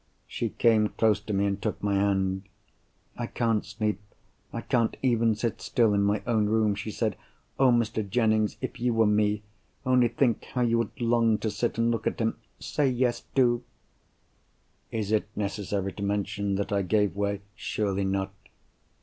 She came close to me, and took my hand. "I can't sleep; I can't even sit still, in my own room," she said. "Oh, Mr. Jennings, if you were me, only think how you would long to sit and look at him. Say, yes! Do!" Is it necessary to mention that I gave way? Surely not!